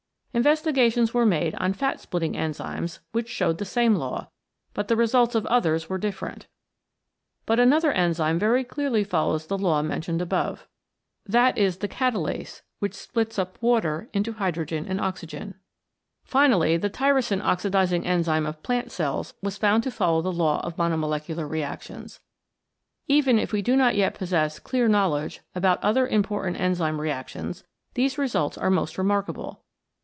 Investigations were made on fat splitting enzymes which showed the same law, but the results of others were different. But another enzyme very clearly follows the law mentioned above. That is the catalase, which splits up hydrogen, into w^ter^and oxygen. Finally the 109 CHEMICAL PHENOMENA IN LIFE tyrosin oxidising enzyme of plant cells was found to follow the law of monomolecular re actions. Even if we do not yet possess clear knowledge about other important enzyme re actions, these results are most remarkable.